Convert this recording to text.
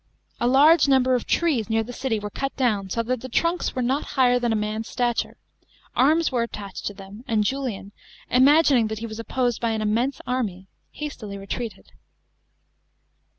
A large number of trees near the city were cut down so tnat the trunks were not hhher than a man's stature ; arms wt re attached to them, and Julian, imagining that he was opposed by an immense army, hastily retreated.